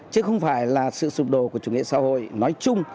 chứ không phải là sự sụp đổ của chủ nghĩa xã hội nói chung